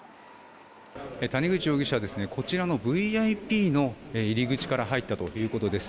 谷口容疑者はこちらのＶＩＰの入り口から入ったということです。